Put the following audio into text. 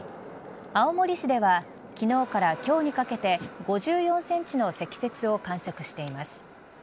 青森市では昨日から今日にかけて５４センチの積雪を観測しています。